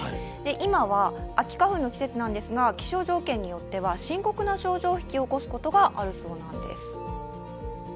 今は秋花粉の季節なんですが気象条件によって深刻な症状を引き起こすことがあるそうなんです。